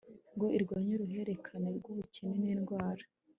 ngo irwanye uruhererekane rw'ubukene n'indwara